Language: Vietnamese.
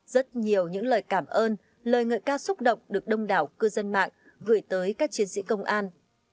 rất nhiều những lời cảm ơn lời ngợi ca xúc động được đông đảo cư dân mạng gửi tới các chiến sĩ công an